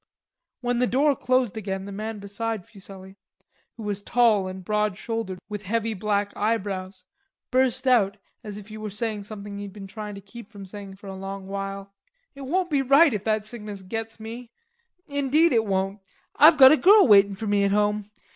When the door closed again the man beside Fuselli, who was tall and broad shouldered with heavy black eyebrows, burst out, as if he were saying something he'd been trying to keep from saying for a long while: "It won't be right if that sickness gets me; indeed it won't.... I've got a girl waitin' for me at home.